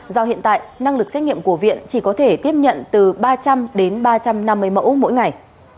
do hiện tại năng lực xét nghiệm của viện chỉ có thể tiếp nhận từ ba trăm linh đến ba trăm năm mươi mẫu mỗi ngày